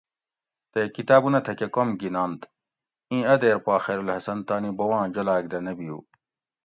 تے کتابونہ تکہ کوم گِھینونت؟ ایں ا دیر پا خیرالحسن تانی بوباں جولاگ دہ نہ بیو